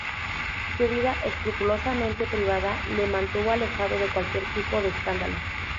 Su vida escrupulosamente privada le mantuvo alejado de cualquier tipo de escándalo.